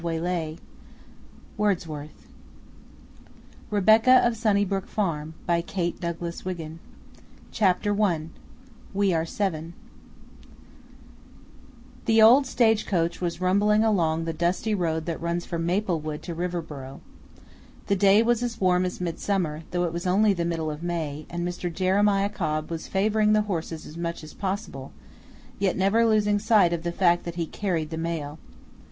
MOTHER AND DAUGHTER XXX. "GOOD BY, SUNNYBROOK!" XXXI. AUNT MIRANDA'S APOLOGY REBECCA OF SUNNYBROOK FARM I "WE ARE SEVEN" The old stage coach was rumbling along the dusty road that runs from Maplewood to Riverboro. The day was as warm as midsummer, though it was only the middle of May, and Mr. Jeremiah Cobb was favoring the horses as much as possible, yet never losing sight of the fact that he carried the mail.